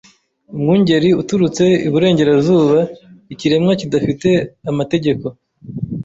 Umwungeri uturutse iburengerazuba ikiremwa kidafite amategeko